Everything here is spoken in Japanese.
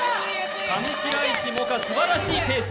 上白石萌歌、すばらしいペース。